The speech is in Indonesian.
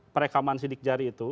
perekaman sidik jari itu